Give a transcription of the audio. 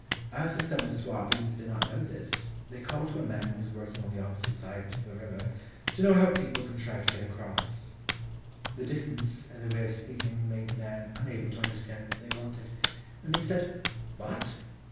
As the seven Swabians did not know this, they called to a man who was working on the opposite side of the river, to know how people contrived to get across. The distance and their way of speaking made the man unable to understand what they wanted, and he said "What?